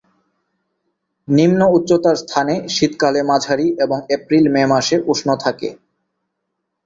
নিম্ন উচ্চতার স্থানে শীতকালে মাঝারি এবং এপ্রিল-মে মাসে উষ্ণ থাকে।